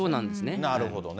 なるほどね。